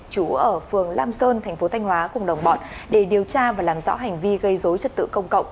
trú ở phường lam sơn tp thanh hóa cùng đồng bọn để điều tra và làm rõ hành vi gây dối chất tự công cộng